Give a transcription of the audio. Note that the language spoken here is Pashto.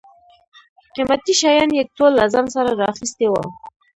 قیمتي شیان یې ټول له ځان سره را اخیستي و.